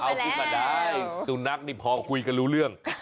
เอาคือสาดายสุนัขนี่พอกุยกันรู้เรื่อง